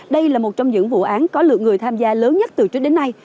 đây là một trong những vụ án có lượng người tham gia lớn nhất từ trước đến nay